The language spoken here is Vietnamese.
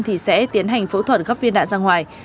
thì sẽ tiến hành phẫu thuật gấp viên đạn ra ngoài